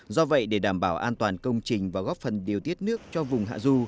do vậy để đảm bảo an toàn công trình và góp phần điều tiết nước cho vùng hạ du